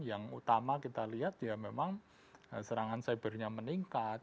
yang utama kita lihat ya memang serangan cybernya meningkat